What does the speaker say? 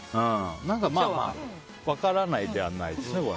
まあ、分からないではないですね。